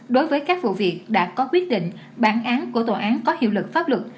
đối với các vụ việc đã có quyết định bản án của tòa án có hiệu lực pháp luật